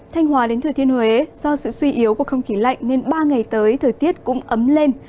thanh hòa đến thừa thiên huế do sự suy yếu của không khí lạnh nên ba ngày tới thời tiết cũng ấm lên